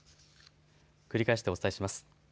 繰り返し、お伝えします。